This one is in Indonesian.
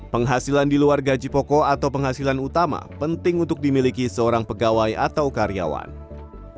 penghasilan di luar gaji pokok atau penghasilan utama penting untuk dimiliki seorang pegawai atau karyawan